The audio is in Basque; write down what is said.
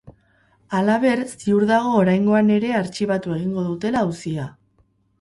Halaber, ziur dago oraingoan ere artxibatu egingo dutela auzia.